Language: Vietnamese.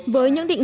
với những định viện